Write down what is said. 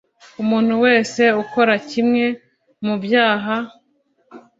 Umuntu wese ukora kimwe mu byaha